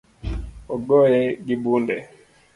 Ogoye gi bunde